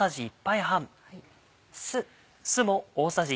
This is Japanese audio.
酢。